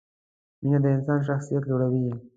مینه د انسان شخصیت لوړوي.